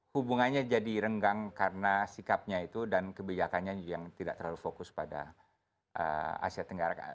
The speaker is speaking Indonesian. hubungannya jadi renggang karena sikapnya itu dan kebijakannya yang tidak terlalu fokus pada asia tenggara